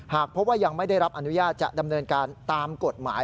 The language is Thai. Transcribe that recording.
หากพบว่ายังไม่ได้รับอนุญาตจะดำเนินการตามกฎหมาย